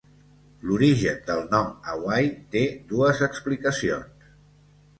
L'origen del nom Hawaii té dues explicacions.